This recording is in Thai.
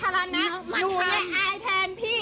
หนูเอิ่นไงโอ้โหไม่เอ้ยเพลงพี่